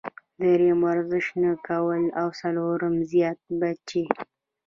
دريم ورزش نۀ کول او څلورم زيات بچي -